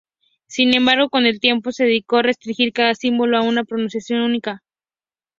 Sin embargo, con el tiempo se decidió restringir cada símbolo a una pronunciación única.